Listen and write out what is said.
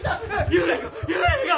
幽霊が！